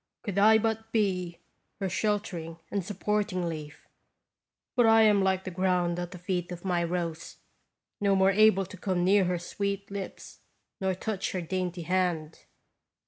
Could I but be her shelter ing and supporting leaf ! But I am like the ground at the feet of my Rose no more able to come near her sweet lips, or touch her dainty hand